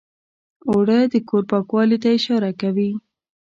اوړه د کور پاکوالي ته اشاره کوي